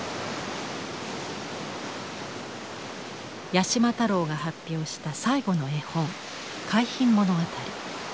八島太郎が発表した最後の絵本「海浜物語」。